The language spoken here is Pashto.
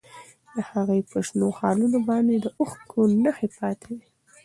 د هغې په شنو خالونو باندې د اوښکو نښې پاتې وې.